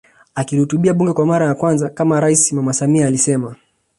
Akilihutubia bunge kwa mara kwanza kama rais Mama Samia alisema